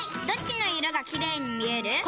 どっちの色がキレイに見える？